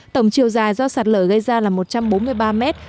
tổng chiều dài do sạt lở gây ra là một trăm bốn mươi ba mét